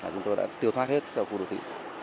chúng tôi đã tiêu thoát hết khu đô thị